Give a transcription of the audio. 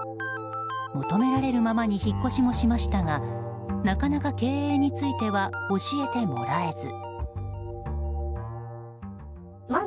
求められるままに引っ越しもしましたがなかなか経営については教えてもらえず。